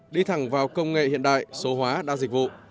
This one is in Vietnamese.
đi thẳng vào công nghệ hiện đại số hóa đa dịch vụ